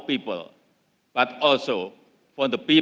tetapi juga untuk orang orang dunia